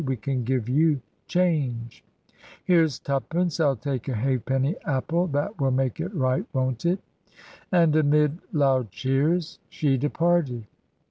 "We can give you change." "Here's twopence. I'll take a halfpenny apple. That will make it right, won't it?" And amid loud cheers she departed.